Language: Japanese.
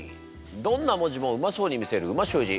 どんな文字もうまそうに見せる美味しゅう字！